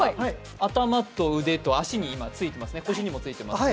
頭と腕と足についてますね。